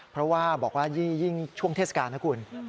เพราะว่าบอกว่ายิ่งช่วงเทศกาลนะคุณ